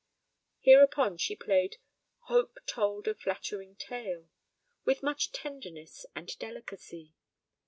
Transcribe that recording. Hereupon she played "Hope told a flattering tale," with much tenderness and delicacy.